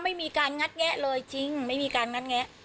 ไม่มีการงัดแงะเลยจริงไม่มีการงัดแงะ